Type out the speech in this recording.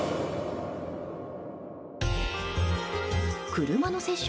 車の接触